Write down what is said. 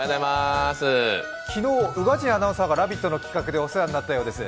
昨日、宇賀神アナウンサーが「ラヴィット！」の企画でお世話になったようです。